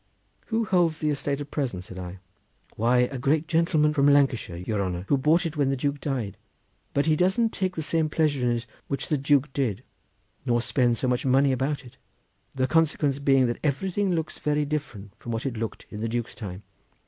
"Who holds the estate at present?" said I. "Why, a great gentleman from Lancashire, your honour, who bought it when the Duke died; but he doesn't take the same pleasure in it which the Duke did, nor spend so much money about it, the consequence being that everything looks very different from what it looked in the Duke's time.